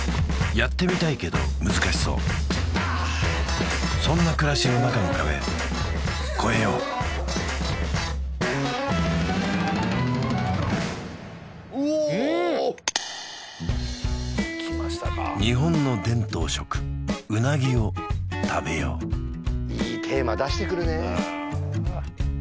やってみたいけど難しそうそんな暮らしの中の壁越えよううおうんきましたか日本の伝統食うなぎを食べよういいテーマ出してくるねああ